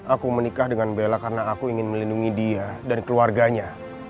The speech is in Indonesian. aku menikah dengan bella karena aku ingin melindungi dia dan keluarganya